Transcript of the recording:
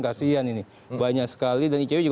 kasian ini banyak sekali dan icw juga